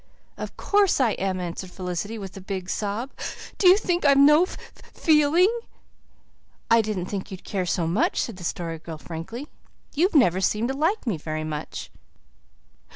"Of course I am," answered Felicity, with a big sob. "Do you think I've no f f eeling?" "I didn't think you'd care much," said the Story Girl frankly. "You've never seemed to like me very much."